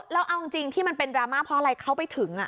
แล้วเอาจริงที่มันเป็นดราม่าเพราะอะไรเขาไปถึง